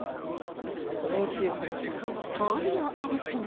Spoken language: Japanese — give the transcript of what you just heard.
そのうち話しますよ。